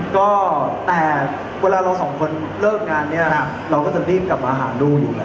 แต่เวลาเราก็เริ่มกันก็จับเรายังรอก